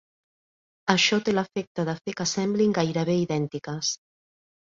Això té l'efecte de fer que semblin gairebé idèntiques.